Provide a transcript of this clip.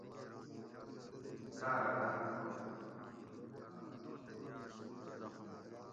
ساۤرہ داۤم اُتروڑہ اعلان ہُو ارو جباۤ اۤ سات ماۤ نُوڄ ماروت